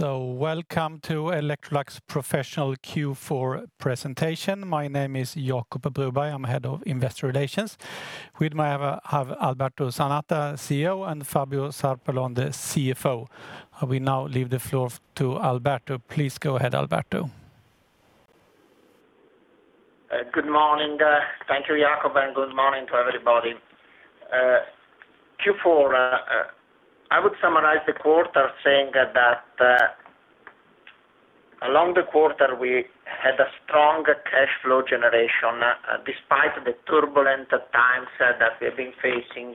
Welcome to Electrolux Professional Q4 presentation. My name is Jacob Broberg. I'm Head of Investor Relations. With me, I have Alberto Zanata, CEO, and Fabio Zarpellon, the CFO. We now leave the floor to Alberto. Please go ahead, Alberto. Good morning. Thank you, Jacob, and good morning to everybody. Q4, I would summarize the quarter saying that along the quarter, we had a strong cash flow generation, despite the turbulent times that we have been facing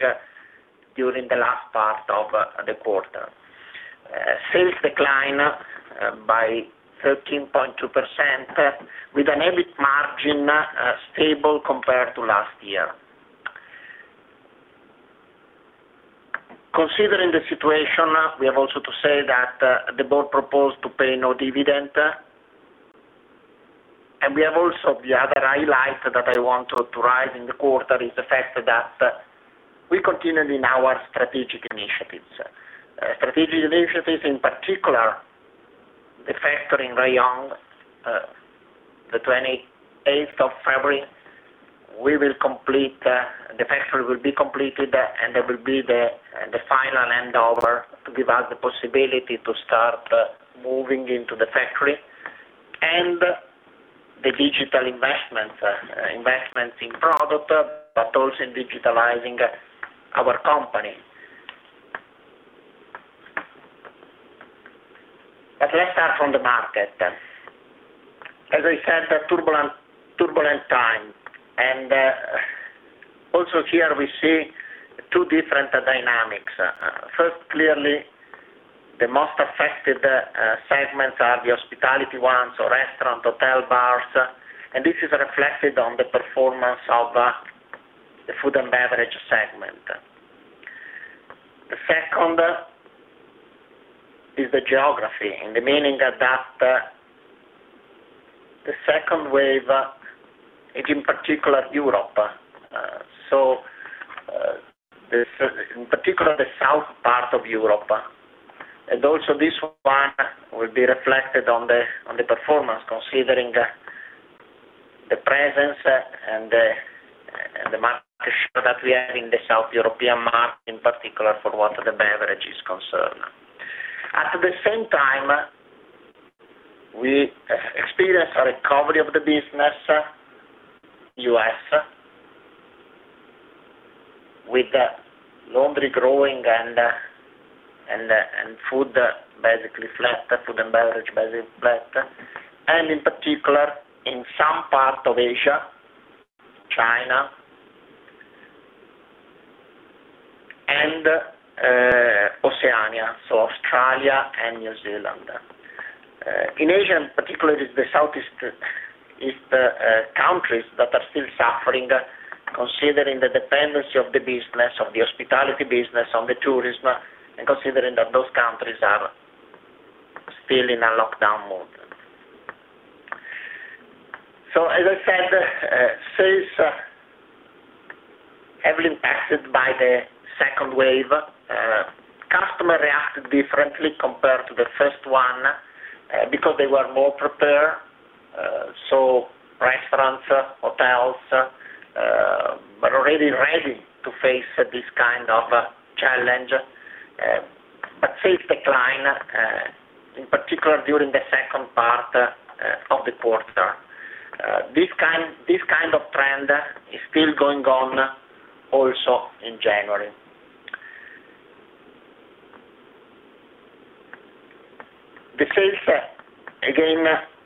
during the last part of the quarter. Sales decline by 13.2% with an EBIT margin stable compared to last year. Considering the situation, we have also to say that the board proposed to pay no dividend. We have also, the other highlight that I want to raise in the quarter, is the fact that we continued in our strategic initiatives. Strategic initiatives, in particular, the factory in Rayong, the 28th of February, the factory will be completed, and there will be the final handover to give us the possibility to start moving into the factory. The digital investments in product, but also in digitalizing our company. Let's start from the market. As I said, a turbulent time, and also here we see two different dynamics. First, clearly, the most affected segments are the hospitality ones, so restaurant, hotel, bars, and this is reflected on the performance of the Food & Beverage segment. The second is the geography, in the meaning that the second wave is in particular Europe. In particular the south part of Europe. Also this one will be reflected on the performance, considering the presence and the market share that we have in the South European market, in particular, for what the beverage is concerned. At the same time, we experience a recovery of the business, U.S., with laundry growing and Food & Beverage basically flat. In particular, in some part of Asia, China, and Oceania, so Australia and New Zealand. In Asia, in particular, it is the Southeast countries that are still suffering, considering the dependency of the hospitality business on the tourism, and considering that those countries are still in a lockdown mode. As I said, sales heavily impacted by the second wave. Customer reacted differently compared to the first one because they were more prepared. Restaurants, hotels, were already ready to face this kind of challenge, but sales decline, in particular during the second part of the quarter. This kind of trend is still going on also in January. The sales, again,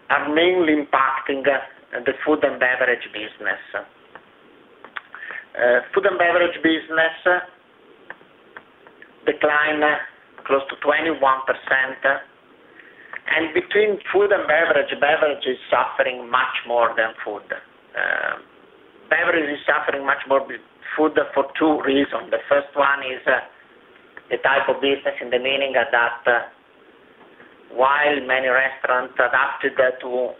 are mainly impacting the Food & Beverage business. Food & Beverage business decline close to 21%, and between Food & Beverage, beverage is suffering much more than food. Beverage is suffering much more food for two reasons. The first one is the type of business, in the meaning that while many restaurants adapted to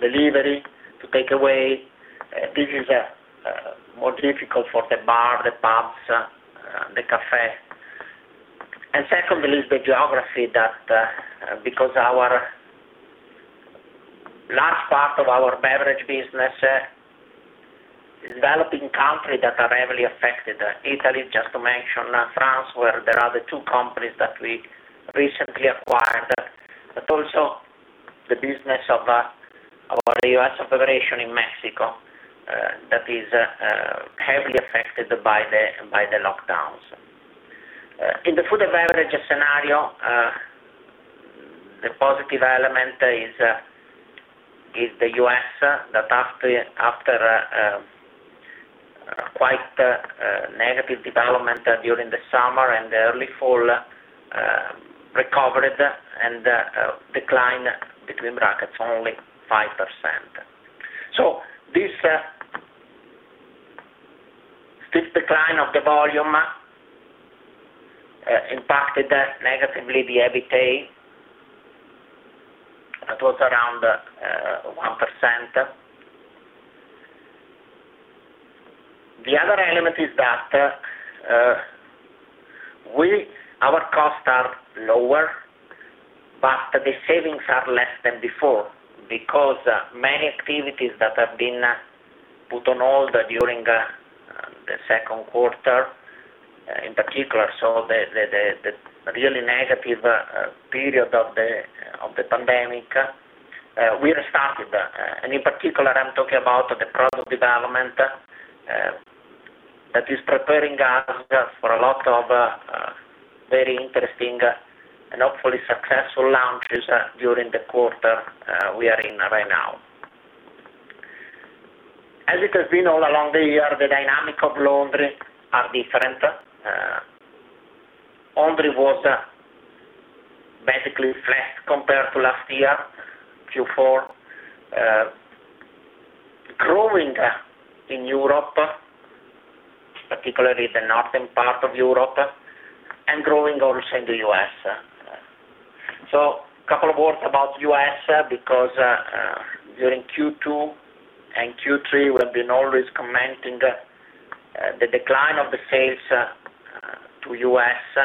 delivery, to take away, this is more difficult for the bar, the pubs, the cafe. Secondly is the geography, because large part of our beverage business is developing country that are heavily affected. Italy, just to mention, France, where there are the two companies that we recently acquired, but also the business of our U.S. operation in Mexico, that is heavily affected by the lockdowns. In the Food & Beverage scenario, the positive element is the U.S. that after quite a negative development during the summer and early fall, recovered and decline, between brackets, only 5%. This decline of the volume impacted negatively the EBITA. The other element is that our costs are lower, the savings are less than before, because many activities that have been put on hold during the second quarter, in particular, so the really negative period of the pandemic, we restarted. In particular, I'm talking about the product development, that is preparing us for a lot of very interesting and hopefully successful launches during the quarter we are in right now. As it has been all along the year, the dynamic of laundry are different. Laundry was basically flat compared to last year, Q4. Growing in Europe, particularly the northern part of Europe, growing also in the U.S. A couple of words about U.S., because during Q2 and Q3, we have been always commenting the decline of the sales to U.S.,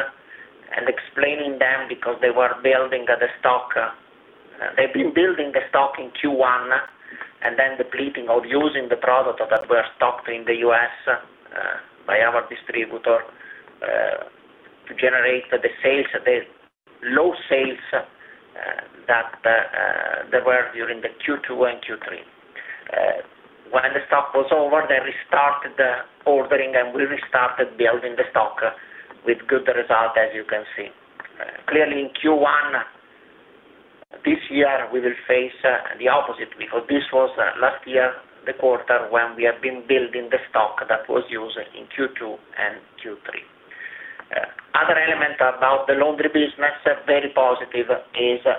and explaining them because they've been building the stock in Q1, and then depleting or using the product that were stocked in the U.S. by our distributor, to generate the low sales that were during the Q2 and Q3. When the stock was over, they restarted ordering, and we restarted building the stock with good result, as you can see. Clearly, in Q1 this year, we will face the opposite, because this was last year, the quarter when we have been building the stock that was used in Q2 and Q3. Other element about the laundry business, very positive, is the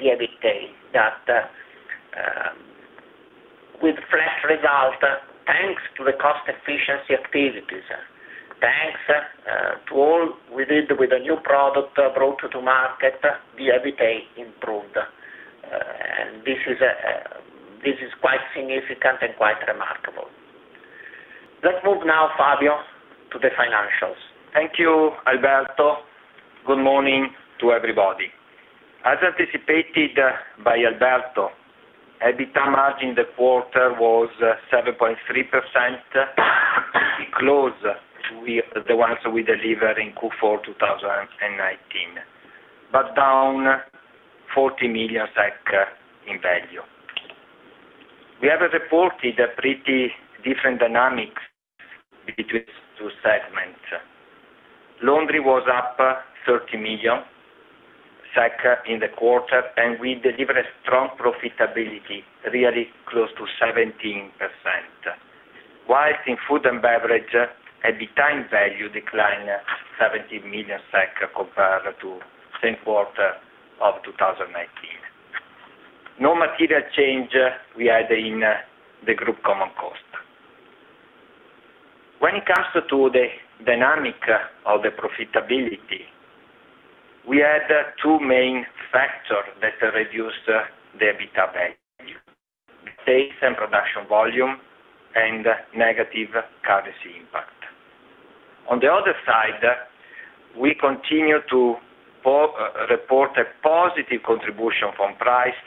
EBITA, that with fresh result, thanks to the cost efficiency activities, thanks to all we did with the new product brought to market, the EBITA improved. This is quite significant and quite remarkable. Let's move now, Fabio, to the financials. Thank you, Alberto. Good morning to everybody. As anticipated by Alberto, EBITA margin in the quarter was 7.3%, close to the ones we delivered in Q4 2019. Down 40 million SEK in value. We have reported a pretty different dynamic between two segments. Laundry was up 30 million SEK in the quarter, and we delivered a strong profitability, really close to 17%. Whilst in Food & Beverage, EBITA value declined 17 million SEK compared to same quarter of 2019. No material change we had in the group common cost. When it comes to the dynamic of the profitability, we had two main factors that reduced the EBITA value: the sales and production volume and negative currency impact. On the other side, we continue to report a positive contribution from price,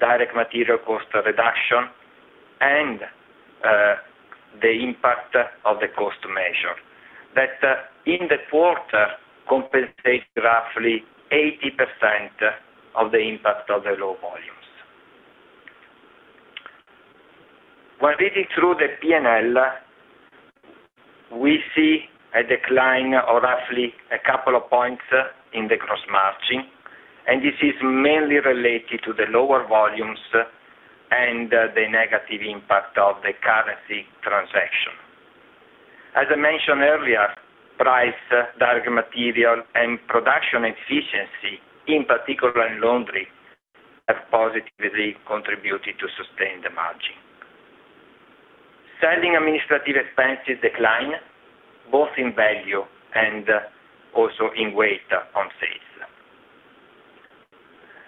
direct material cost reduction, and the impact of the cost measure, that in the quarter compensates roughly 80% of the impact of the low volumes. When reading through the P&L, we see a decline of roughly a couple of points in the gross margin, this is mainly related to the lower volumes and the negative impact of the currency transaction. As I mentioned earlier, price, direct material, and production efficiency, in particular in laundry, have positively contributed to sustain the margin. Selling, administrative expenses decline, both in value and also in weight on sales.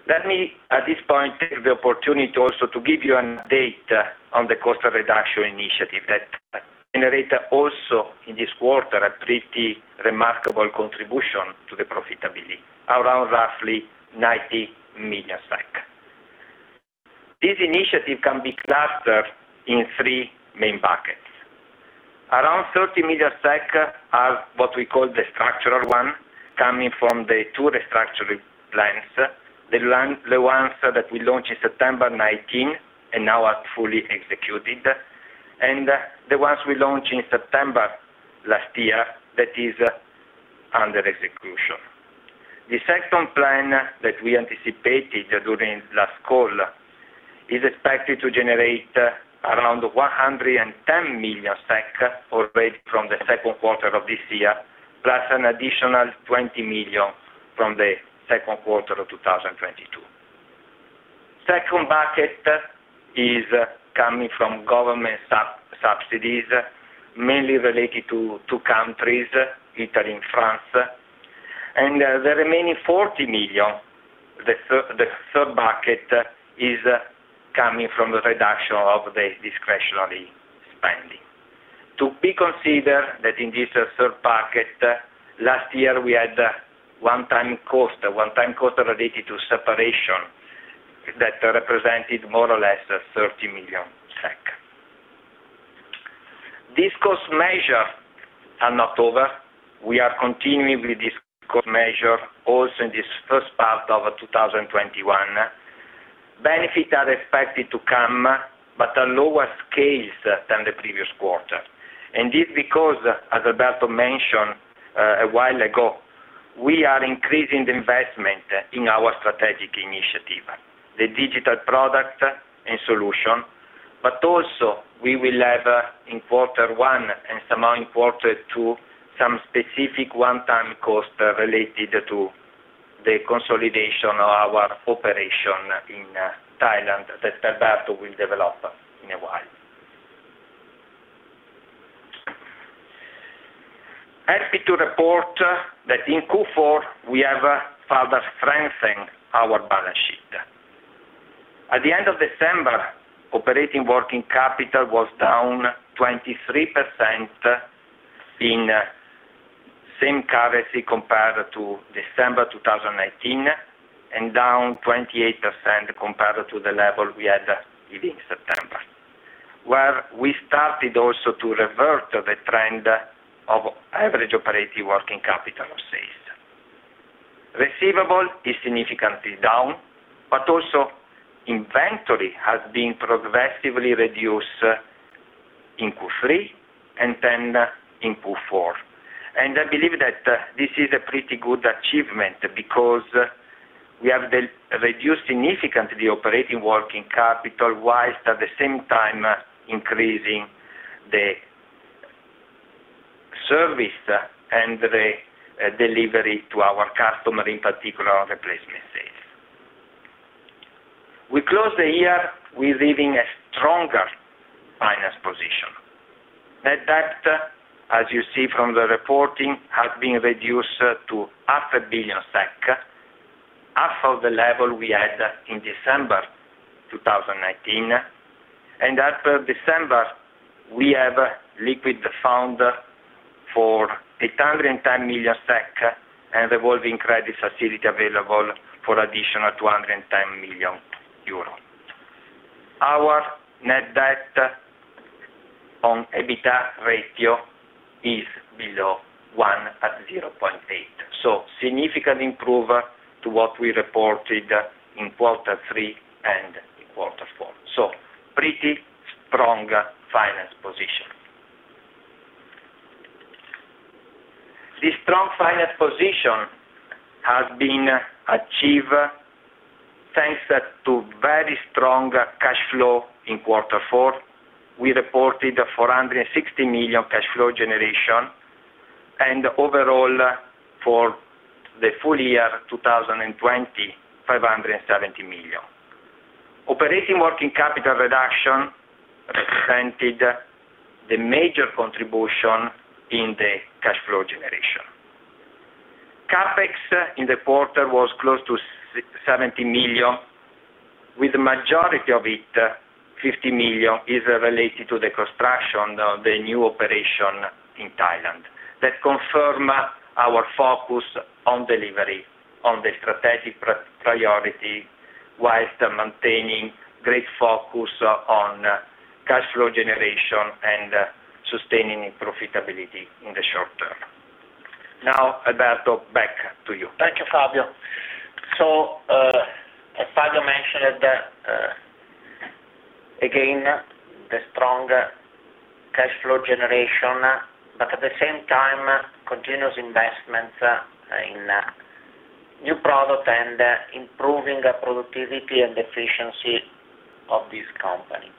Let me, at this point, take the opportunity also to give you an update on the cost reduction initiative that generate also in this quarter, a pretty remarkable contribution to the profitability, around roughly 90 million SEK. This initiative can be clustered in three main buckets. Around 30 million SEK are what we call the structural one, coming from the two restructuring plans. The ones that we launched in September 2019, now are fully executed. The ones we launched in September last year, that is under execution. The second plan that we anticipated during last call is expected to generate around 110 million SEK already from the second quarter of this year, plus an additional 20 million from the second quarter of 2022. Second bucket is coming from government subsidies, mainly related to two countries, Italy and France. The remaining 40 million, the third bucket, is coming from the reduction of the discretionary spending. To be considered that in this third bucket, last year we had a one-time cost related to separation that represented more or less 30 million SEK. These cost measure are not over. We are continuing with this cost measure also in this first part of 2021. Benefits are expected to come, a lower scale than the previous quarter. This because, as Alberto mentioned a while ago, we are increasing the investment in our strategic initiative, the digital product and solution, also we will have in quarter one and somehow in quarter two, some specific one-time cost related to the consolidation of our operation in Thailand that Alberto will develop in a while. Happy to report that in Q4, we have further strengthened our balance sheet. At the end of December, operating working capital was down 23% in same currency compared to December 2019, down 28% compared to the level we had in September, where we started also to revert the trend of average operating working capital of sales. Receivable is significantly down, but also inventory has been progressively reduced in Q3 and then in Q4. I believe that this is a pretty good achievement because we have reduced significantly operating working capital, whilst at the same time increasing the service and the delivery to our customer, in particular replacement sales. We closed the year with leaving a stronger finance position. Net debt, as you see from the reporting, has been reduced to half a billion SEK, half of the level we had in December 2019. At December, we have liquid fund for 810 million SEK and revolving credit facility available for additional 210 million euro. Our net debt on EBITDA ratio is below one at 0.8. Significant improvement to what we reported in quarter three and in quarter four. Pretty strong finance position. This strong finance position has been achieved thanks to very strong cash flow in quarter four. We reported 460 million cash flow generation. Overall for the full year 2020, 570 million. Operating working capital reduction represented the major contribution in the cash flow generation. CapEx in quarter four was close to 70 million, with majority of it, 50 million, is related to the construction of the new operation in Thailand. That confirms our focus on delivery on the strategic priority, while maintaining great focus on cash flow generation and sustaining profitability in the short term. Alberto, back to you. Thank you, Fabio. As Fabio mentioned, again, the strong cash flow generation, but at the same time, continuous investments in new product and improving productivity and efficiency of this company.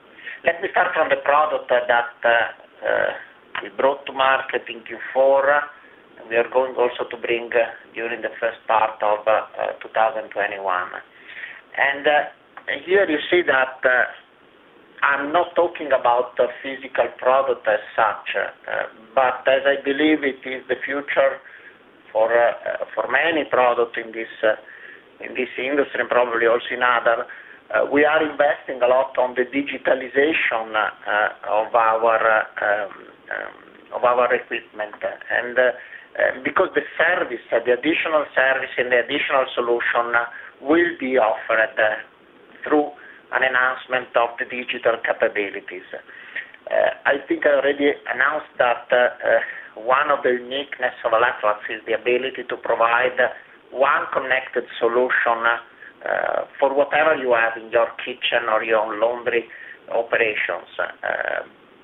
Let me start from the product that we brought to market in Q4, and we are going also to bring during the first part of 2021. Here you see that I'm not talking about the physical product as such, but as I believe it is the future for many product in this industry and probably also in other, we are investing a lot on the digitalization of our equipment. Because the service, the additional service and the additional solution will be offered through an enhancement of the digital capabilities. I think I already announced that one of the uniqueness of Electrolux is the ability to provide one connected solution, for whatever you have in your kitchen or your laundry operations.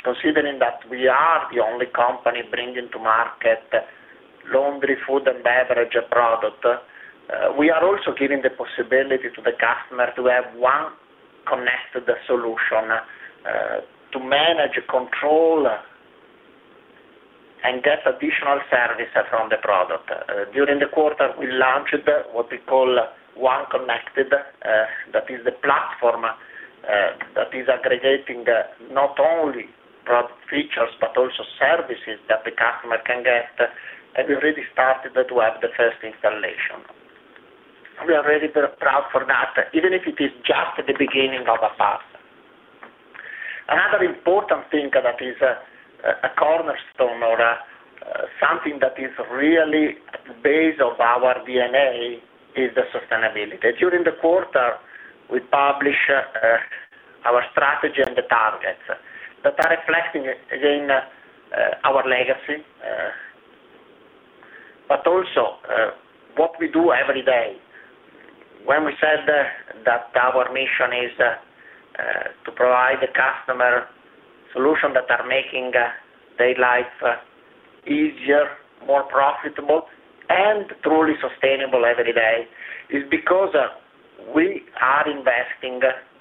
Considering that we are the only company bringing to market laundry, Food & Beverage product, we are also giving the possibility to the customer to have one connected solution, to manage, control, and get additional service from the product. During the quarter, we launched what we call OnE Connected, that is the platform that is aggregating not only product features, but also services that the customer can get. We really started to have the first installation. We are really very proud for that, even if it is just the beginning of a path. Another important thing that is a cornerstone or something that is really the base of our DNA is the sustainability. During the quarter, we publish our strategy and the targets, that are reflecting again, our legacy, but also what we do every day. When we said that our mission is to provide the customer solutions that are making their life easier, more profitable, and truly sustainable every day, it's because we are investing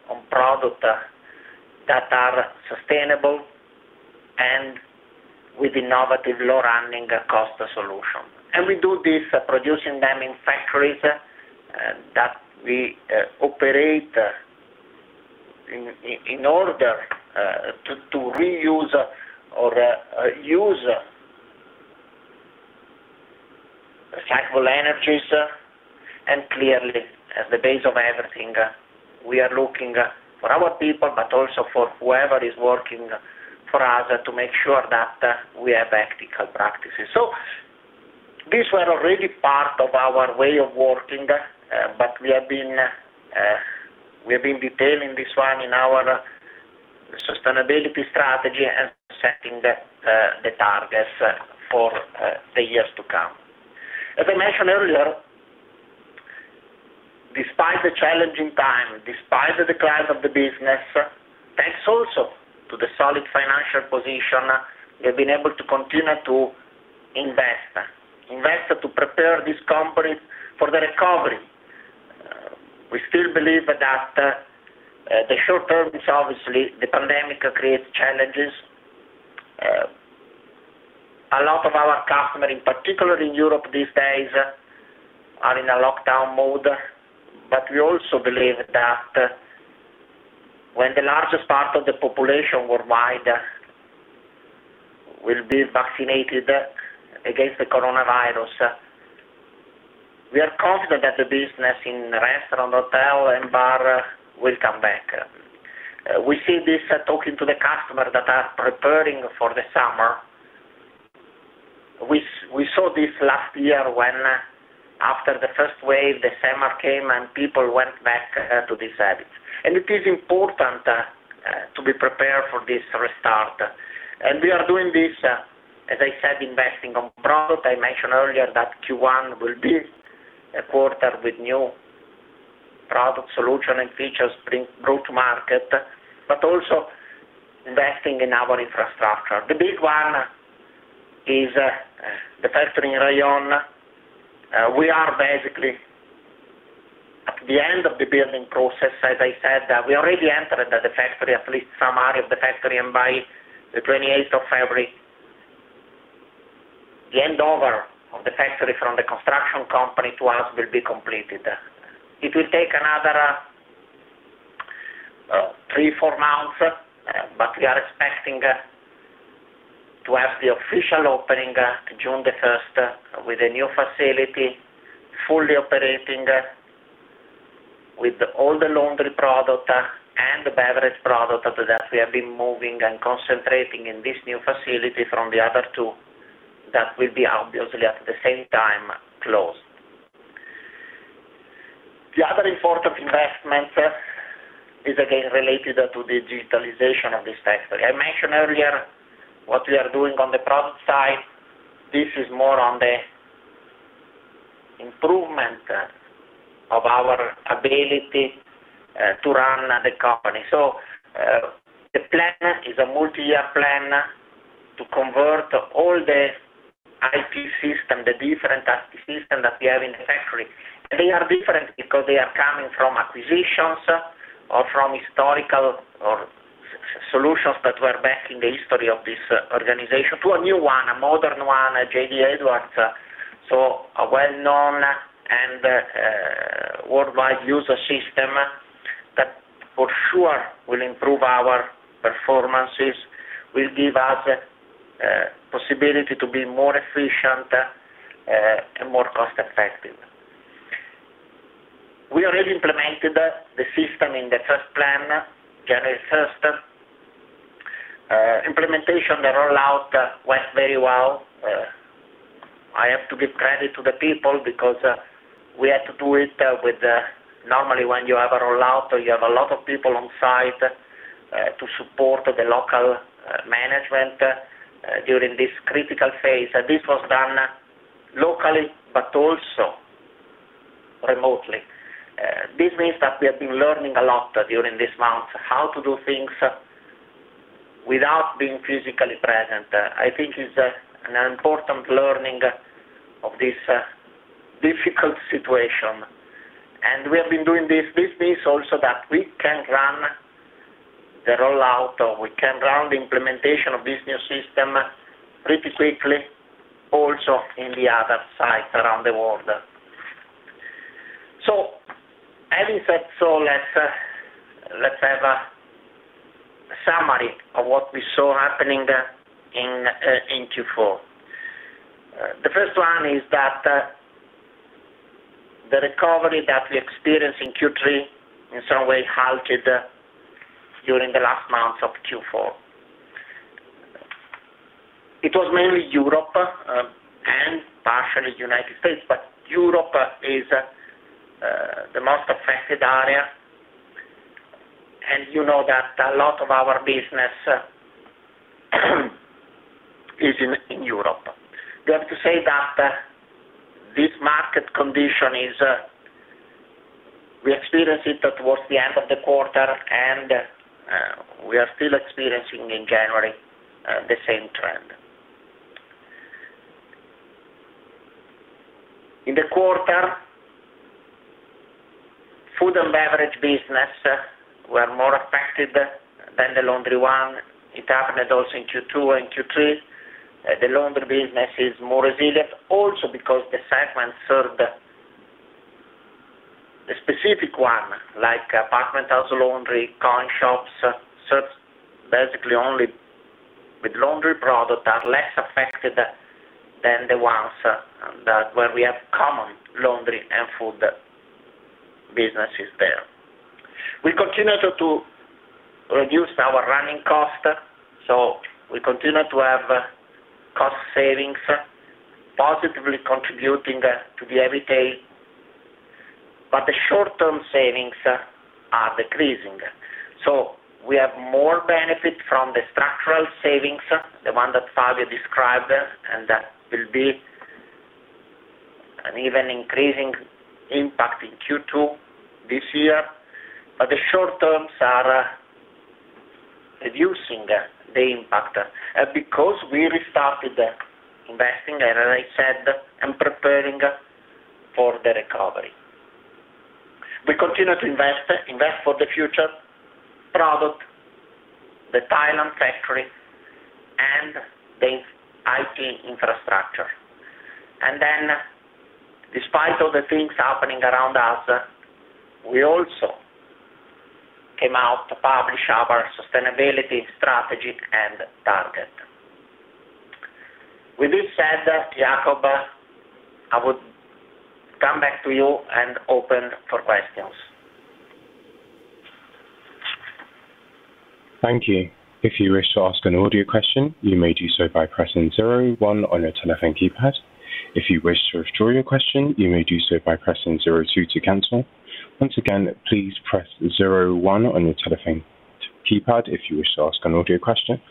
on products that are sustainable, and with innovative, low running cost solutions. We do this, producing them in factories that we operate in order to reuse or use recycled energies. Clearly, at the base of everything, we are looking for our people, but also for whoever is working for us, to make sure that we have ethical practices. These were already part of our way of working, but we have been detailing this one in our sustainability strategy and setting the targets for the years to come. As I mentioned earlier, despite the challenging time, despite the decline of the business, thanks also to the solid financial position, we have been able to continue to invest. Invest to prepare this company for the recovery. We still believe that the short term is obviously, the pandemic creates challenges. A lot of our customers, in particular in Europe these days, are in a lockdown mode. We also believe that when the largest part of the population worldwide will be vaccinated against the coronavirus, we are confident that the business in restaurant, hotel, and bar will come back. We see this talking to the customers that are preparing for the summer. We saw this last year when after the first wave, the summer came, and people went back to these habits. It is important to be prepared for this restart. We are doing this, as I said, investing in product. I mentioned earlier that Q1 will be a quarter with new product solution and features brought to market, but also investing in our infrastructure. The big one is the factory in Rayong. We are basically at the end of the building process. As I said, we already entered the factory, at least some area of the factory, and by the 28th of February, the handover of the factory from the construction company to us will be completed. It will take another three, four months, but we are expecting to have the official opening June 1st with a new facility, fully operating, with all the laundry product and the beverage product that we have been moving and concentrating in this new facility from the other two. That will be obviously at the same time closed. The other important investment is again related to the digitalization of this factory. I mentioned earlier what we are doing on the product side. This is more on the improvement of our ability to run the company. The plan is a multi-year plan to convert all the IT system, the different IT systems that we have in the factory. They are different because they are coming from acquisitions or from historical solutions that were back in the history of this organization, to a new one, a modern one, JD Edwards, so a well-known and worldwide user system. That for sure will improve our performances, will give us possibility to be more efficient, and more cost effective. We already implemented the system in the first plant, Genesis system. Implementation, the rollout went very well. I have to give credit to the people because we had to do it. Normally when you have a rollout, you have a lot of people on site to support the local management during this critical phase. This was done locally but also remotely. This means that we have been learning a lot during these months, how to do things without being physically present. I think it's an important learning of this difficult situation. We have been doing this also that we can run the implementation of this new system pretty quickly, also in the other sites around the world. Having said so, let's have a summary of what we saw happening in Q4. The first one is that the recovery that we experienced in Q3 in some way halted during the last months of Q4. It was mainly Europe, partially United States. Europe is the most affected area. You know that a lot of our business is in Europe. We have to say that this market condition, we experienced it towards the end of the quarter. We are still experiencing in January the same trend. In the quarter, Food & Beverage business were more affected than the laundry one. It happened also in Q2 and Q3. The laundry business is more resilient also because the segment served the specific one, like apartment house laundry, coin shops, served basically only with laundry product, are less affected than the ones that where we have common laundry and food businesses there. We continue to reduce our running cost. We continue to have cost savings, positively contributing to the EBITDA. The short-term savings are decreasing. We have more benefit from the structural savings, the one that Fabio described, and that will be an even increasing impact in Q2 this year. The short terms are reducing the impact because we restarted investing, and as I said, and preparing for the recovery. We continue to invest for the future, product, the Thailand factory, and the IT infrastructure. Despite all the things happening around us, we also came out to publish our sustainability strategy and target. With this said, Jacob, I would come back to you and open for questions. Thank you. If you wish to ask an audio question, you may do so by pressing zero one on the telephone keypad. If you wish to join a question, you may do so by pressing zero two to cancel. Once again, please press zero one on the telephone keypad if you wish to ask an audio question.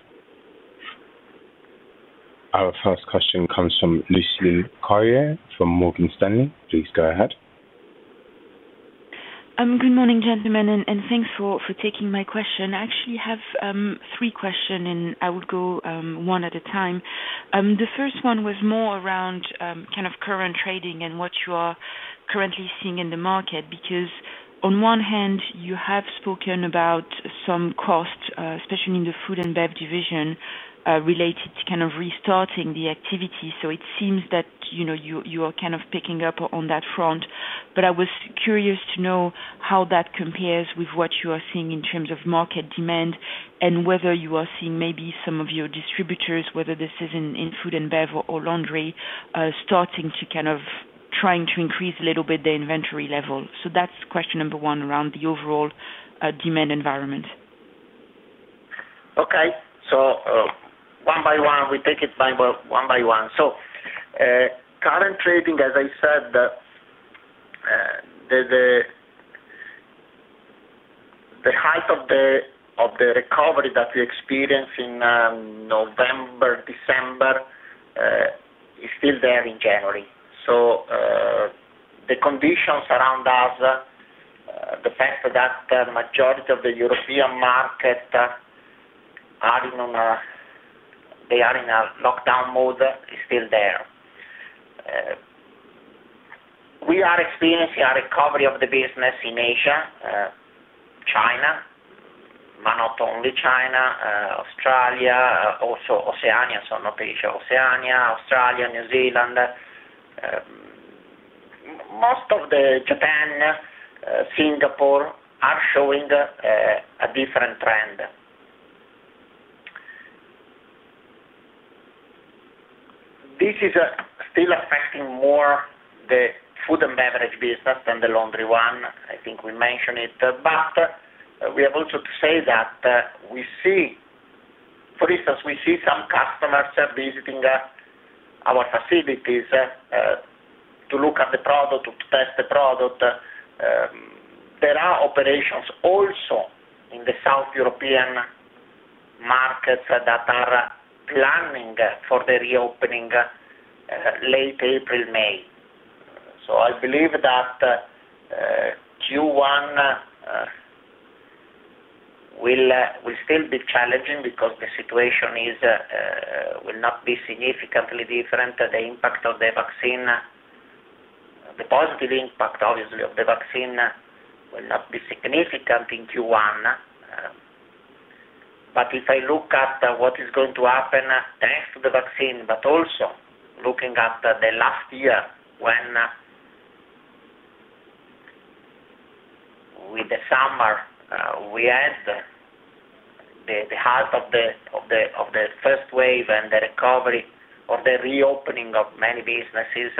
Our first question comes from Lucie Carrier from Morgan Stanley. Please go ahead. Good morning, gentlemen, and thanks for taking my question. I actually have three questions, and I would go one at a time. The first one was more around kind of current trading and what you are currently seeing in the market. On one hand, you have spoken about some costs, especially in the Food & Beverage division, related to kind of restarting the activity. It seems that you are kind of picking up on that front, but I was curious to know how that compares with what you are seeing in terms of market demand, and whether you are seeing maybe some of your distributors, whether this is in Food & Beverage or laundry, starting to kind of trying to increase a little bit the inventory level. That's question number one around the overall demand environment. Okay. One by one. We take it one by one. Current trading, as I said, the height of the recovery that we experienced in November, December, is still there in January. The conditions around us, the fact that the majority of the European market they are in a lockdown mode, is still there. We are experiencing a recovery of the business in Asia, China, but not only China, Australia, also Oceania, so not Asia. Oceania, Australia, New Zealand, most of the Japan, Singapore, are showing a different trend. This is still affecting more the Food & Beverage business than the laundry one. I think we mentioned it, but we have also to say that, for instance, we see some customers are visiting our facilities to look at the product, to test the product. There are operations also in the South European markets that are planning for the reopening late April, May. I believe that Q1 will still be challenging because the situation will not be significantly different. The impact of the vaccine. The positive impact, obviously, of the vaccine will not be significant in Q1. If I look at what is going to happen thanks to the vaccine, but also looking at the last year, when with the summer, we had the heart of the first wave and the recovery of the reopening of many businesses.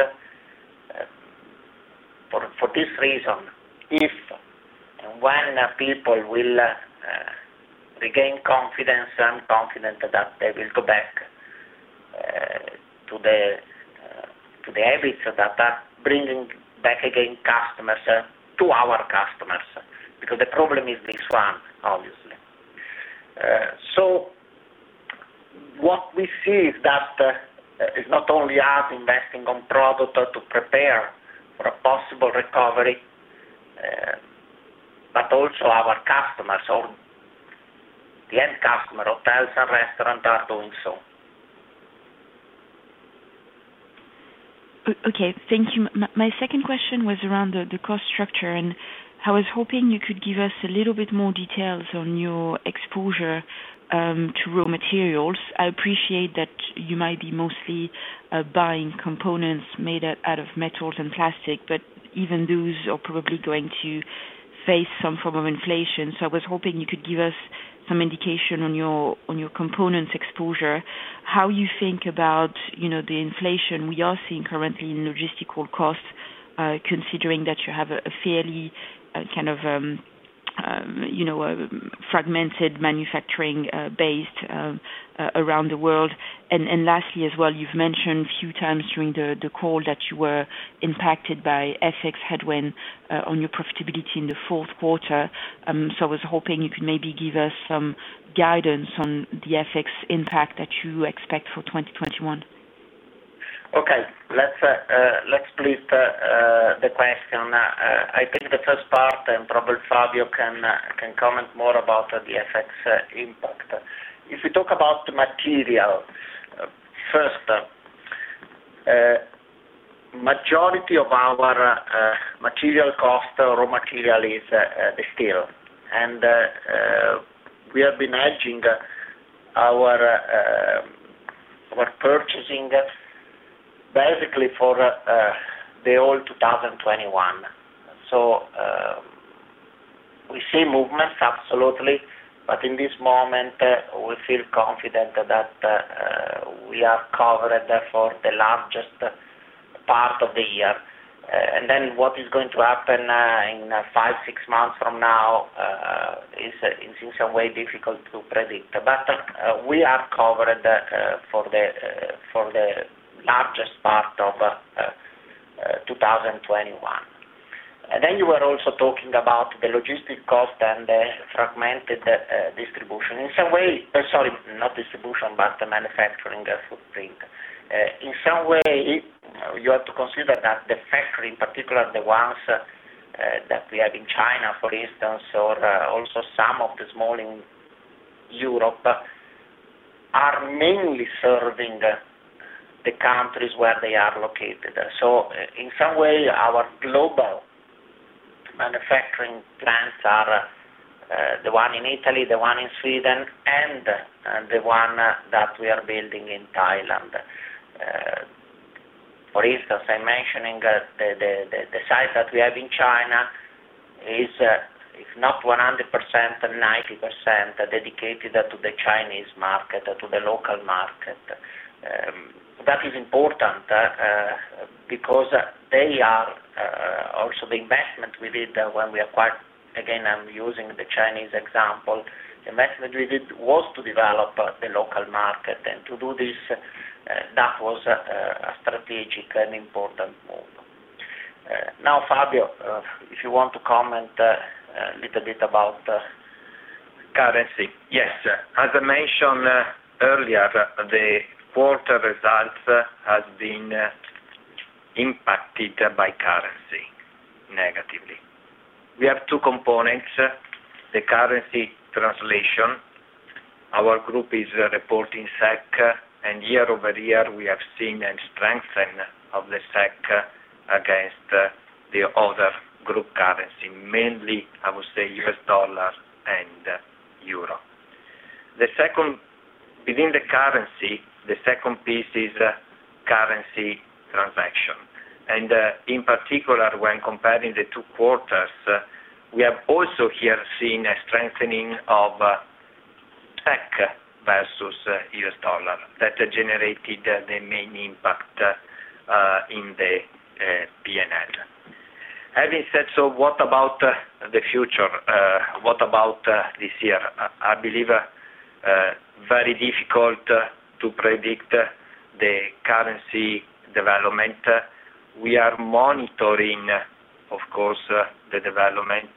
For this reason, if and when people will regain confidence, I'm confident that they will go back to the habits that are bringing back again customers to our customers, because the problem is this one, obviously. What we see is that it's not only us investing on product or to prepare for a possible recovery, but also our customers or the end customer, hotels and restaurants are doing so. Okay. Thank you. My second question was around the cost structure. I was hoping you could give us a little bit more details on your exposure to raw materials. I appreciate that you might be mostly buying components made out of metals and plastic. Even those are probably going to face some form of inflation. I was hoping you could give us some indication on your components exposure, how you think about the inflation we are seeing currently in logistical costs, considering that you have a fairly kind of fragmented manufacturing base around the world. Lastly, as well, you've mentioned a few times during the call that you were impacted by FX headwind on your profitability in the fourth quarter. I was hoping you could maybe give us some guidance on the FX impact that you expect for 2021. Okay. Let's split the question. I think the first part, probably Fabio Zarpellon can comment more about the FX impact. If we talk about material, first, majority of our material cost, raw material is the steel. We have been hedging our purchasing basically for the whole 2021. We see movements, absolutely, but in this moment, we feel confident that we are covered for the largest part of the year. What is going to happen in five, six months from now is in some way difficult to predict. We are covered for the largest part of 2021. You were also talking about the logistic cost and the fragmented distribution. Not distribution, but the manufacturing footprint. In some way, you have to consider that the factory, in particular the ones that we have in China, for instance, or also some of the small in Europe, are mainly serving the countries where they are located. In some way, our global manufacturing plants are the one in Italy, the one in Sweden, and the one that we are building in Thailand. For instance, I'm mentioning the site that we have in China is, if not 100%, 90% dedicated to the Chinese market, to the local market. That is important, because they are also the investment we did when we acquired, again, I'm using the Chinese example. Investment we did was to develop the local market, and to do this, that was a strategic and important move. Now, Fabio, if you want to comment a little bit about currency. Yes. As I mentioned earlier, the quarter results has been impacted by currency negatively. We have two components, the currency translation. Our group is reporting SEK, and year-over-year, we have seen a strengthen of the SEK against the other group currency, mainly, I would say, US dollar and Euro. Within the currency, the second piece is currency transaction. In particular, when comparing the two quarters, we have also here seen a strengthening of SEK versus US dollar that generated the main impact in the P&L. Having said so, what about the future? What about this year? I believe very difficult to predict the currency development. We are monitoring, of course, the development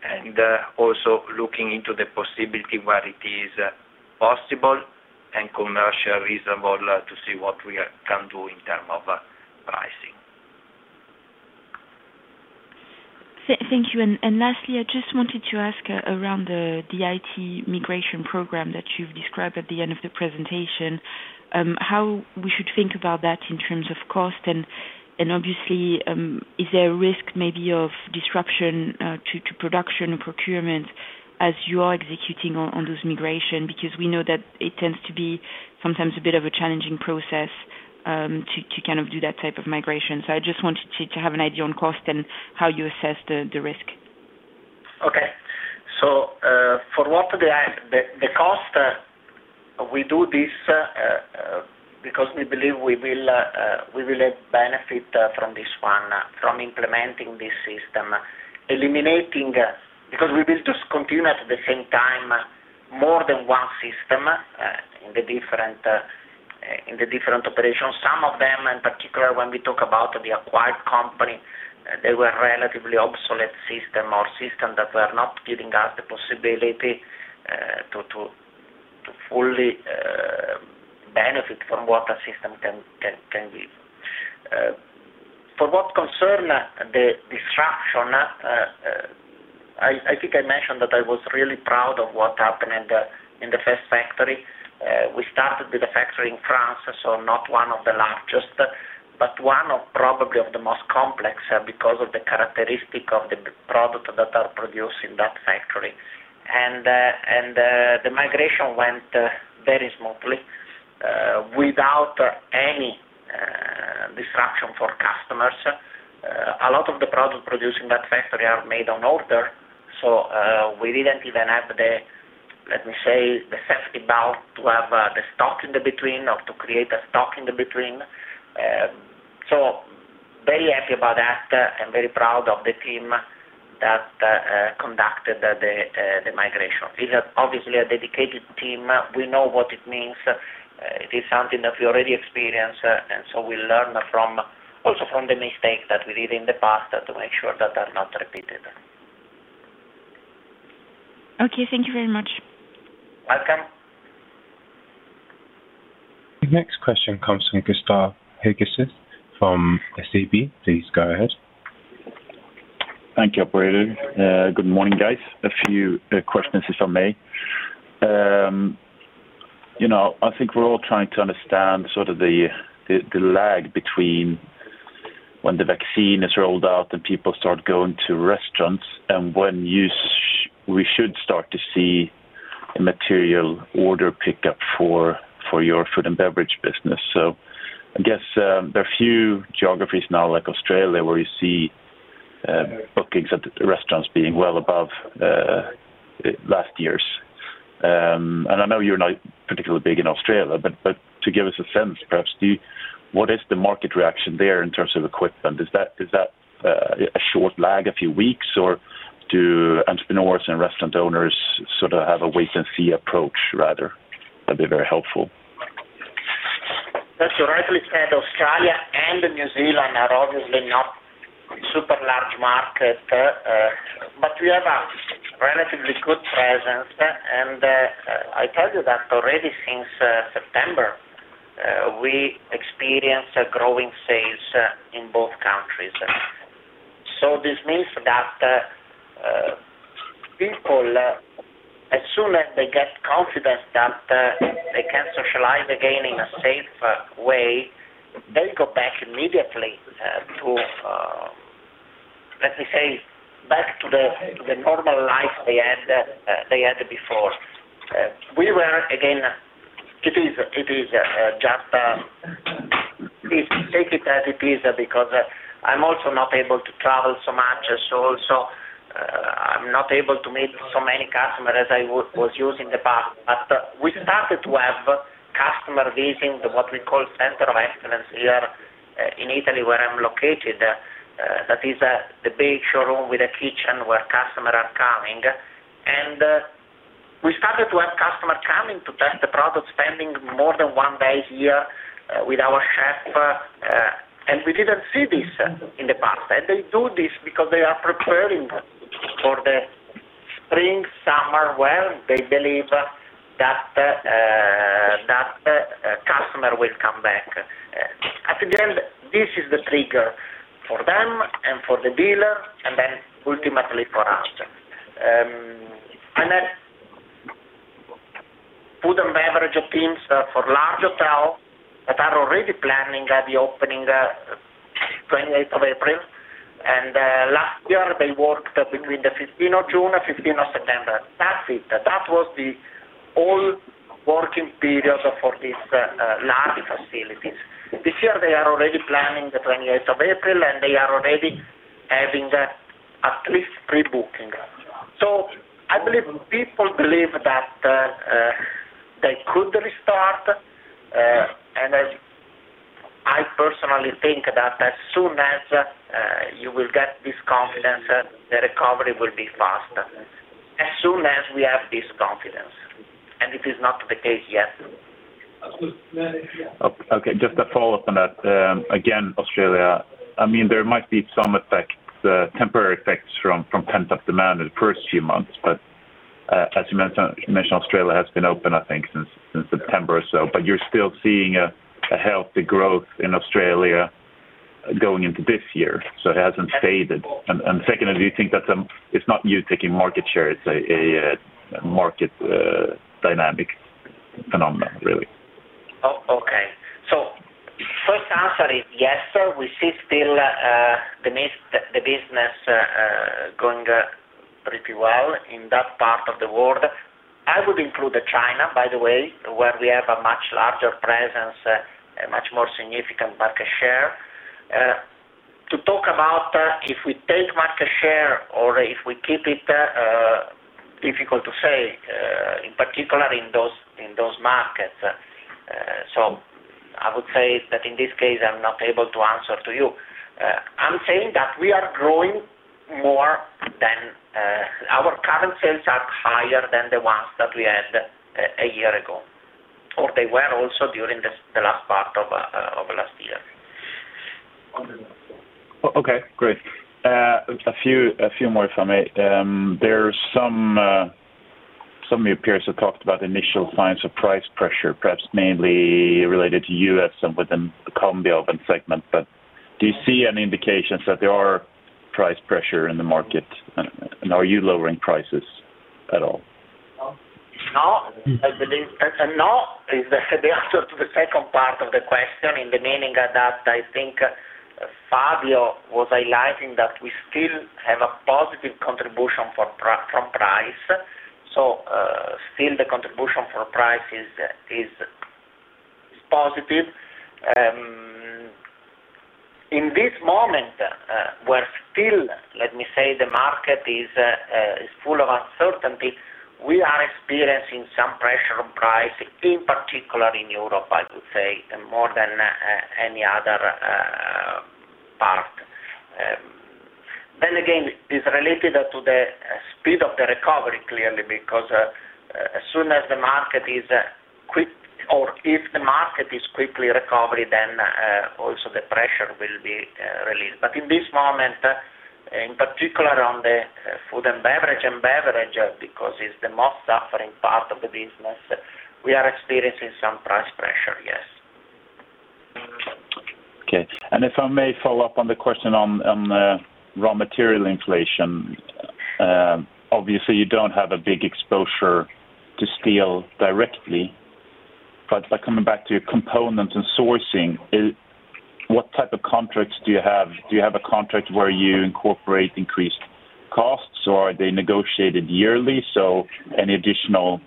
and also looking into the possibility where it is possible and commercial reasonable to see what we can do in terms of pricing. Thank you. Lastly, I just wanted to ask around the IT migration program that you've described at the end of the presentation, how we should think about that in terms of cost, and obviously, is there a risk maybe of disruption to production and procurement as you are executing on those migrations? We know that it tends to be sometimes a bit of a challenging process to do that type of migration. I just wanted to have an idea on cost and how you assess the risk. Okay. For what the cost, we do this because we believe we will benefit from this one, from implementing this system, eliminating Because we will just continue at the same time more than one system in the different operations. Some of them, in particular, when we talk about the acquired company, they were relatively obsolete system or system that were not giving us the possibility to fully benefit from what a system can be. For what concern the disruption, I think I mentioned that I was really proud of what happened in the first factory. We started with a factory in France, so not one of the largest, but one of probably of the most complex because of the characteristic of the product that are produced in that factory. The migration went very smoothly, without any disruption for customers. A lot of the product produced in that factory are made on order, we didn't even have the, let me say, the safety belt to have the stock in the between or to create a stock in the between. Very happy about that and very proud of the team that conducted the migration. It is obviously a dedicated team. We know what it means. It is something that we already experience, we learn also from the mistake that we did in the past to make sure that are not repeated. Okay. Thank you very much. Welcome. The next question comes from Gustav Hageus from SEB. Please go ahead. Thank you, operator. Good morning, guys. A few questions, if I may. I think we're all trying to understand sort of the lag between when the vaccine is rolled out and people start going to restaurants, and when we should start to see a material order pickup for your Food & Beverage business. I guess there are a few geographies now, like Australia, where you see bookings at restaurants being well above last year's. I know you're not particularly big in Australia, but to give us a sense, perhaps, what is the market reaction there in terms of equipment? Is that a short lag, a few weeks, or do entrepreneurs and restaurant owners sort of have a wait and see approach, rather? That'd be very helpful. That's rightly said. Australia and New Zealand are obviously not super large markets, but we have a relatively good presence. I tell you that already since September, we experienced a growing sales in both countries. This means that people, as soon as they get confidence that they can socialize again in a safe way, they go back immediately to, let me say, back to the normal life they had before. Again, it is just, take it as it is, because I'm also not able to travel so much, so also I'm not able to meet so many customers as I was used in the past. We started to have customers visiting what we call center of excellence here in Italy, where I'm located. That is the big showroom with a kitchen where customers are coming. We started to have customer coming to test the product, spending more than one day here with our chef. We didn't see this in the past. They do this because they are preparing for the spring, summer, where they believe that customer will come back. At the end, this is the trigger for them and for the dealer, and then ultimately for us. Food & Beverage teams for large hotel that are already planning the opening 28th of April, and last year, they worked between the 15th of June, 15 of September. That's it. That was the all working period for these large facilities. This year, they are already planning the 28th of April, and they are already having at least pre-booking. I believe people believe that they could restart, and I personally think that as soon as you will get this confidence, the recovery will be faster. As soon as we have this confidence, and it is not the case yet. Okay, just a follow-up on that. Again, Australia, there might be some temporary effects from pent-up demand in the first few months. As you mentioned, Australia has been open, I think, since September or so, but you're still seeing a healthy growth in Australia going into this year, so it hasn't faded. Secondly, do you think that it's not you taking market share, it's a market dynamic phenomenon, really? Okay. First answer is yes, sir. We see still the business going pretty well in that part of the world. I would include China, by the way, where we have a much larger presence, a much more significant market share. To talk about if we take market share or if we keep it, difficult to say, in particular in those markets. I would say that in this case, I'm not able to answer to you. I'm saying that we are growing more than Our current sales are higher than the ones that we had a year ago, or they were also during the last part of last year. Okay, great. A few more from me. There's some of your peers have talked about initial signs of price pressure, perhaps mainly related to U.S. and within the. [inaudible] Do you see any indications that there are price pressure in the market, and are you lowering prices at all? No. No, is the answer to the second part of the question, in the meaning that I think Fabio was highlighting that we still have a positive contribution from price. Still the contribution for price is positive. In this moment, we're still, let me say, the market is full of uncertainty. We are experiencing some pressure on price, in particular in Europe, I would say, more than any other part. Again, it's related to the speed of the recovery, clearly, because as soon as the market is quick, or if the market is quickly recovery, then also the pressure will be relieved. In this moment, in particular on the Food & Beverage, and beverage, because it's the most suffering part of the business, we are experiencing some price pressure, yes. Okay. If I may follow up on the question on raw material inflation. Obviously, you don't have a big exposure to steel directly, but coming back to your components and sourcing, what type of contracts do you have? Do you have a contract where you incorporate increased costs, or are they negotiated yearly? Any additional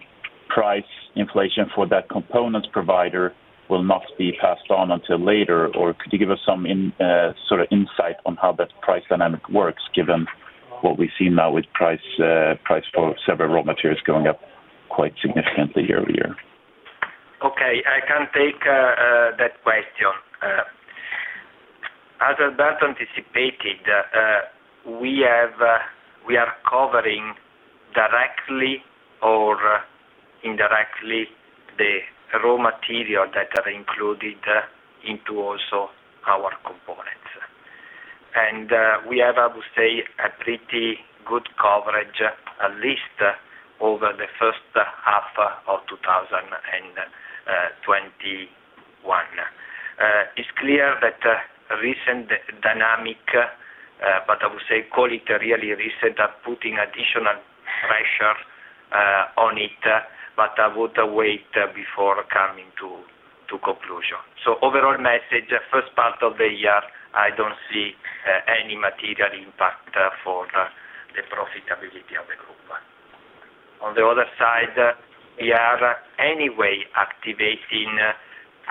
price inflation for that component provider will not be passed on until later? Could you give us some insight on how that price dynamic works, given what we've seen now with price for several raw materials going up quite significantly year-over-year? Okay, I can take that question. As Alberto anticipated, we are covering directly or indirectly the raw material that are included into also our components. We have, I would say, a pretty good coverage, at least over the first half of 2021. It's clear that recent dynamic, but I would say, call it really recent, are putting additional pressure on it, but I would wait before coming to conclusion. Overall message, first part of the year, I don't see any material impact for the profitability of the group. On the other side, we are anyway activating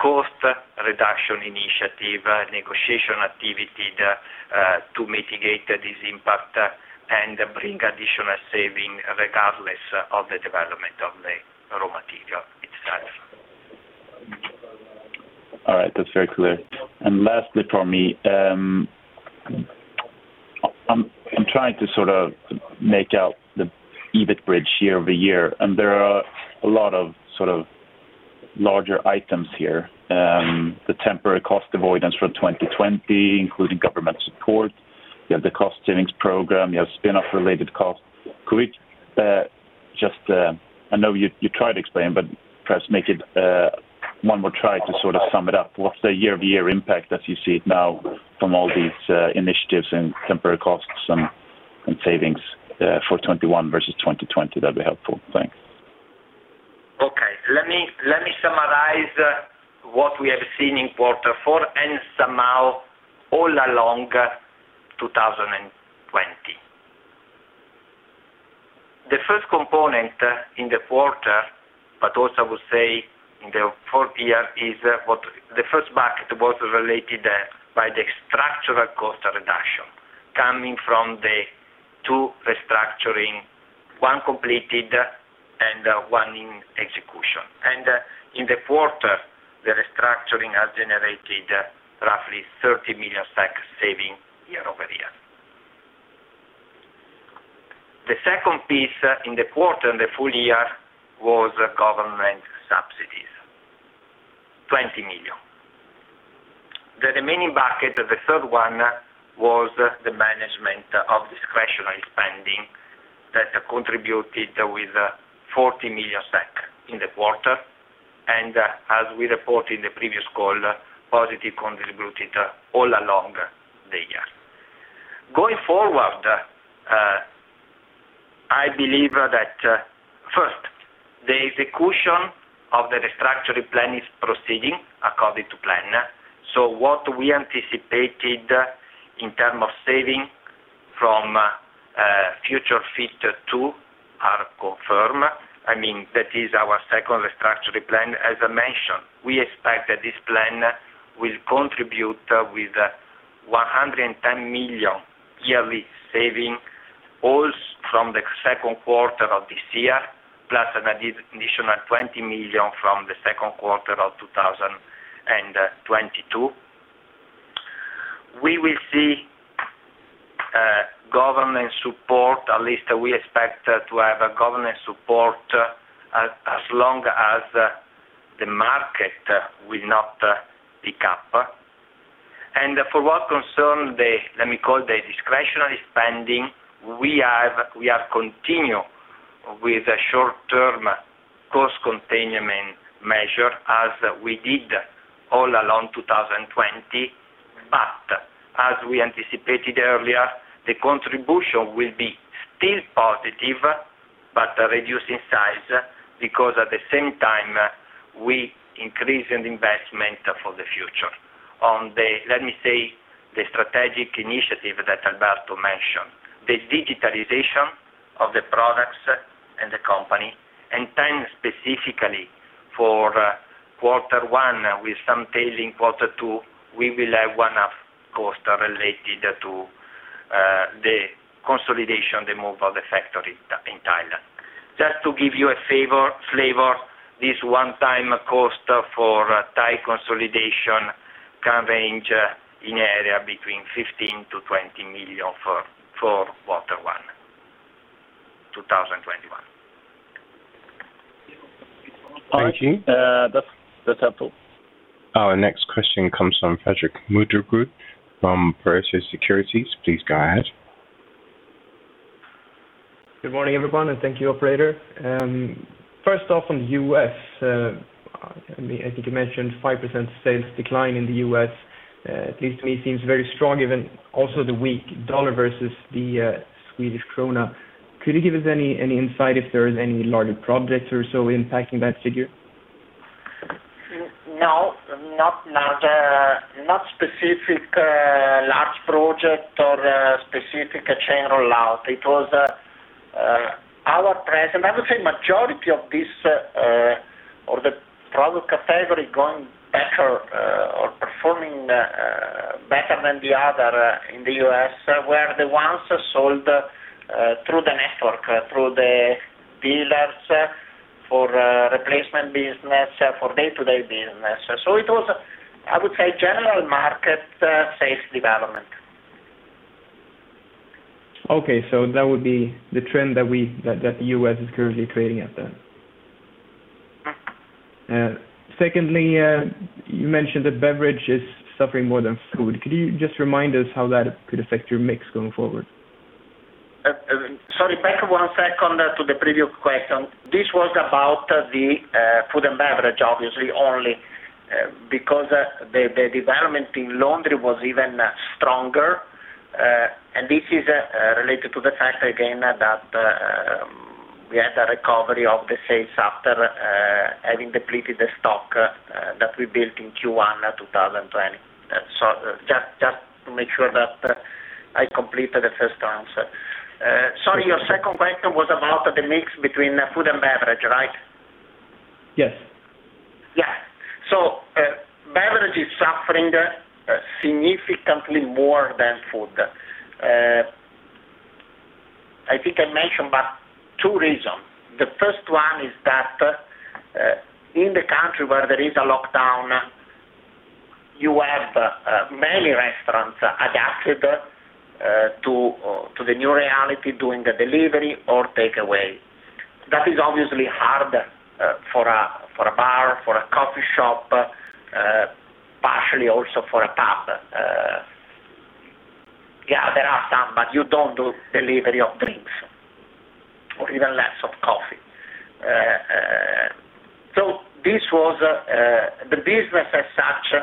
cost reduction initiative, negotiation activity to mitigate this impact and bring additional saving regardless of the development of the raw material itself. All right. That's very clear. Lastly, for me, I'm trying to sort of make out the EBIT bridge year-over-year, and there are a lot of sort of larger items here. The temporary cost avoidance from 2020, including government support. You have the cost savings program. You have spin-off related costs. Could we just, I know you tried to explain, but perhaps make it one more try to sort of sum it up. What's the year-over-year impact as you see it now from all these initiatives and temporary costs and savings for 2021 versus 2020? That'd be helpful. Thanks. Okay. Let me summarize what we have seen in quarter four, somehow all along 2020. The first component in the quarter, but also, I would say in the full year, is the first bucket was related by the structural cost reduction coming from the two restructuring, one completed and one in execution. In the quarter, the restructuring has generated roughly 30 million SEK saving year-over-year. The second piece in the quarter and the full year was government support The remaining bucket, the third one, was the management of discretionary spending that contributed with 40 million SEK in the quarter. As we reported in the previous call, positive contributed all along the year. Going forward, I believe that first, the execution of the restructuring plan is proceeding according to plan. What we anticipated in terms of saving from Future Fit 2 are confirmed. That is our second restructuring plan. As I mentioned, we expect that this plan will contribute with 110 million yearly saving all from the second quarter of this year, plus an additional 20 million from the second quarter of 2022. We will see government support, at least we expect to have a government support as long as the market will not pick up. For what concern the, let me call the discretionary spending, we have continue with a short-term cost containment measure as we did all along 2020. As we anticipated earlier, the contribution will be still positive, but reduce in size because at the same time, we increase in investment for the future. On the, let me say, the strategic initiative that Alberto mentioned, the digitalization of the products and the company, and timed specifically for Quarter one with some tail in Quarter two, we will have one-off cost related to the consolidation, the move of the factory in Thailand. Just to give you a flavor, this one-time cost for Thai consolidation can range in area between 15 million-20 million for Quarter one 2021. Thank you. That's helpful. Our next question comes from Fredrick Moregard from Pareto Securities. Please go ahead. Good morning, everyone. Thank you operator. First off, on the U.S., I think you mentioned 5% sales decline in the U.S., at least to me seems very strong given also the weak US dollar versus the SEK. Could you give us any insight if there is any larger projects or so impacting that figure? No. Not specific large project or specific chain rollout. I would say majority of this or the product category going better or performing better than the other in the U.S., were the ones sold through the network, through the dealers for replacement business, for day-to-day business. It was, I would say, general market sales development. Okay. That would be the trend that the U.S. is currently creating at then. Secondly, you mentioned that beverage is suffering more than food. Could you just remind us how that could affect your mix going forward? Sorry, back one second to the previous question. This was about the Food & Beverage, obviously, only. The development in laundry was even stronger. This is related to the fact, again, that we had a recovery of the sales after having depleted the stock that we built in Q1 2020. Just to make sure that I completed the first answer. Sorry, your second question was about the mix between Food & Beverage, right? Yes. Beverage is suffering significantly more than food. I think I mentioned about two reasons. The first one is that in the country where there is a lockdown, you have many restaurants adapted to the new reality, doing the delivery or takeaway. That is obviously hard for a bar, for a coffee shop, partially also for a pub. There are some, but you don't do delivery of drinks or even less of coffee. The business as such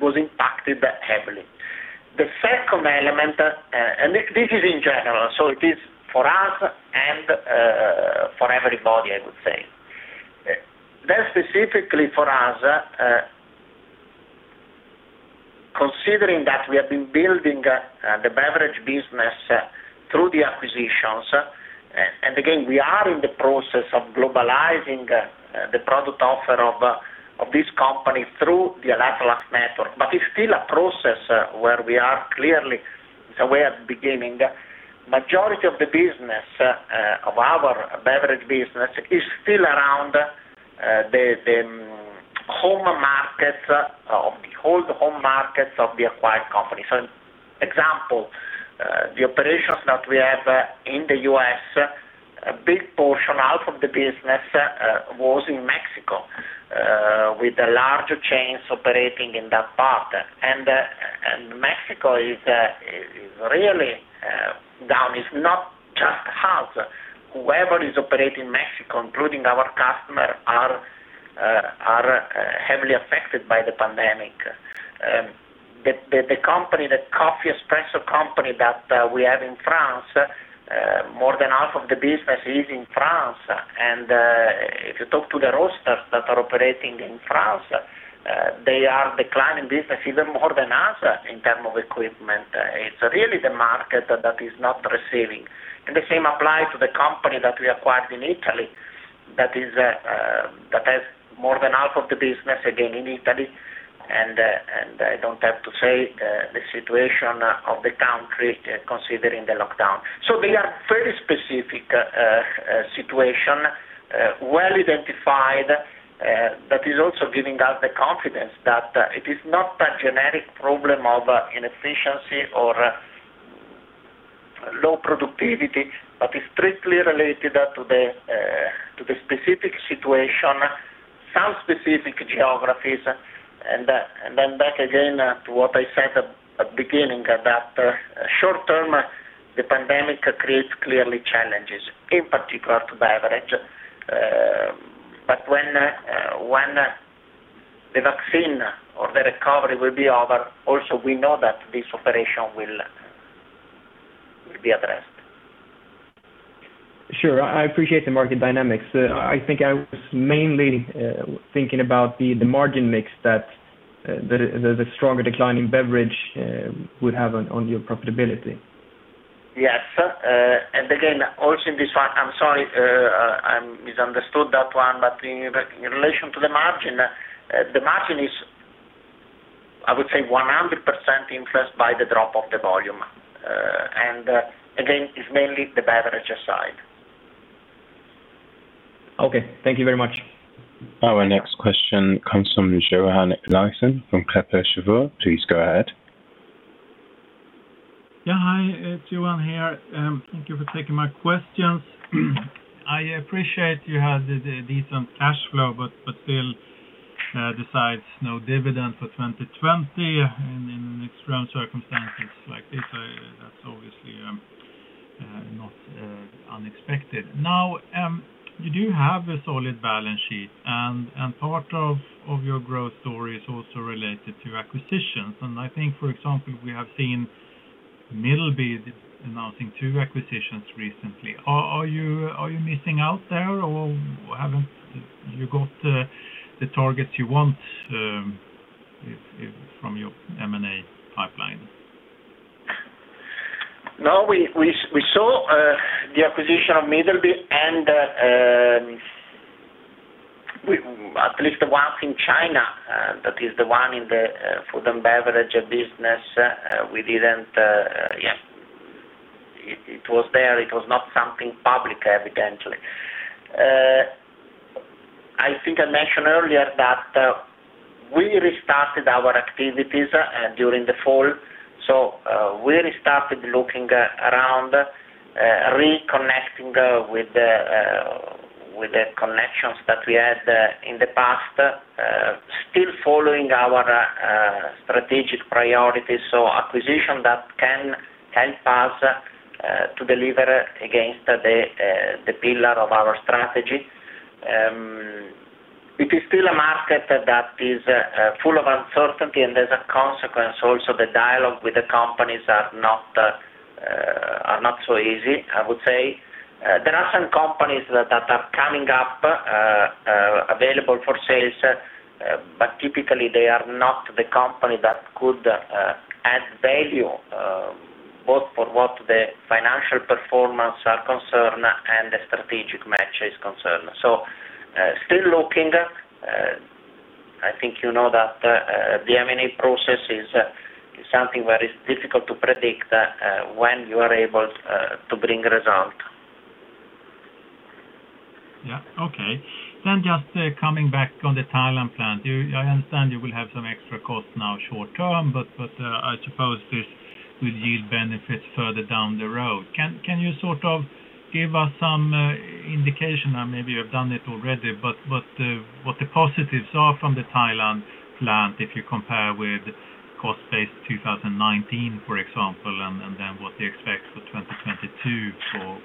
was impacted heavily. The second element, and this is in general, so it is for us and for everybody, I would say. Specifically for us, considering that we have been building the beverage business through the acquisitions, and again, we are in the process of globalizing the product offer of this company through the Electrolux network. It's still a process where we are clearly at the beginning. Majority of the business, of our beverage business is still around the old home markets of the acquired company. Example. The operations that we have in the U.S., a big portion out of the business was in Mexico, with larger chains operating in that part. Mexico is really down. It's not just us. Whoever is operating Mexico, including our customer, are heavily affected by the pandemic. The coffee espresso company that we have in France, more than half of the business is in France. If you talk to the roasters that are operating in France, they are declining business even more than us in terms of equipment. It's really the market that is not receiving. The same applies to the company that we acquired in Italy that has more than half of the business, again, in Italy. I don't have to say the situation of the country, considering the lockdown. They are very specific situation, well identified, that is also giving us the confidence that it is not a generic problem of inefficiency or low productivity, but is strictly related to the specific situation, some specific geographies. Back again to what I said at beginning, that short term, the pandemic creates clearly challenges, in particular to Beverage. When the vaccine or the recovery will be over, also we know that this operation will be addressed. Sure. I appreciate the market dynamics. I think I was mainly thinking about the margin mix that the stronger decline in beverage would have on your profitability. Yes. Again, also in this one, I'm sorry, I misunderstood that one, but in relation to the margin, the margin is, I would say 100% influenced by the drop of the volume. Again, it's mainly the beverages side. Okay. Thank you very much. Our next question comes from Johan Eliason from Kepler Cheuvreux. Please go ahead. Hi, Johan here. Thank you for taking my questions. I appreciate you have the decent cash flow, but still decide no dividend for 2020 in extreme circumstances like this, that's obviously not unexpected. Now, you do have a solid balance sheet, and part of your growth story is also related to acquisitions. I think, for example, we have seen Middleby announcing two acquisitions recently. Are you missing out there, or haven't you got the targets you want from your M&A pipeline? We saw the acquisition of Middleby and at least the ones in China, that is the one in the Food & Beverage business, it was there. It was not something public evidently. I think I mentioned earlier that we restarted our activities during the fall. We restarted looking around, reconnecting with the connections that we had in the past, still following our strategic priorities. Acquisition that can help us, to deliver against the pillar of our strategy. It is still a market that is full of uncertainty, and as a consequence also, the dialogue with the companies are not so easy, I would say. There are some companies that are coming up, available for sales, but typically they are not the company that could add value, both for what the financial performance are concerned and the strategic match is concerned. Still looking. I think you know that the M&A process is something where it's difficult to predict when you are able to bring result. Yeah. Okay. Just coming back on the Thailand plant. I understand you will have some extra cost now short term, but I suppose this will yield benefits further down the road. Can you sort of give us some indication? Maybe you have done it already, but what the positives are from the Thailand plant, if you compare with cost base 2019, for example, and then what you expect for 2022 for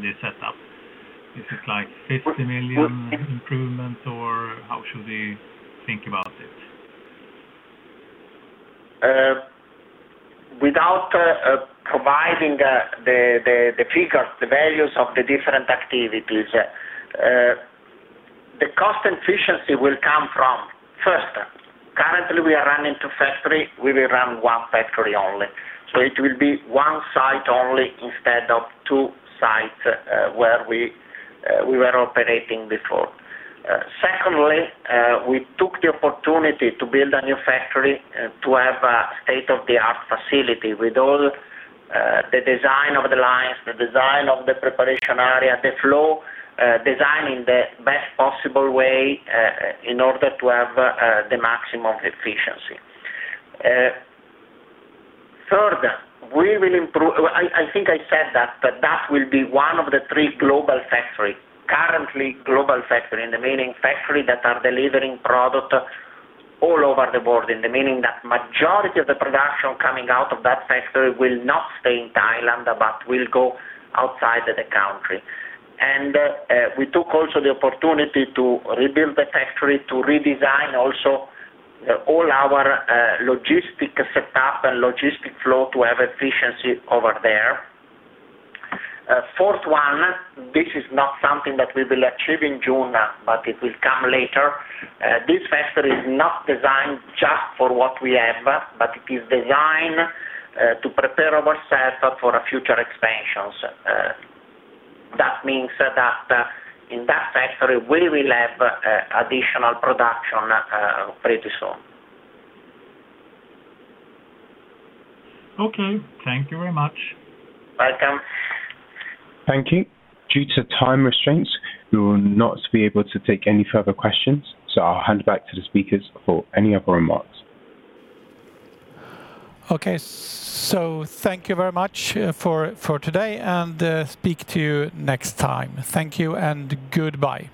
the setup? Is it like 50 million improvements, or how should we think about it? Without providing the figures, the values of the different activities, the cost efficiency will come from, first, currently we are running two factory, we will run one factory only. It will be one site only instead of two sites where we were operating before. Secondly, we took the opportunity to build a new factory to have a state-of-the-art facility with all the design of the lines, the design of the preparation area, the flow, designing the best possible way in order to have the maximum efficiency. Third, I think I said that, but that will be one of the three global factory, currently global factory in the meaning factory that are delivering product all over the world, in the meaning that majority of the production coming out of that factory will not stay in Thailand, but will go outside of the country. We took also the opportunity to rebuild the factory, to redesign also all our logistic setup and logistic flow to have efficiency over there. Fourth one, this is not something that we will achieve in June, but it will come later. This factory is not designed just for what we have, but it is designed to prepare ourselves for future expansions. That means that in that factory, we will have additional production pretty soon. Okay. Thank you very much. Welcome. Thank you. Due to time restraints, we will not be able to take any further questions, so I'll hand back to the speakers for any other remarks. Okay. Thank you very much for today, and speak to you next time. Thank you and goodbye.